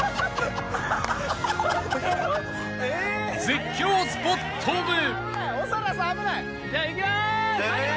［絶叫スポットで］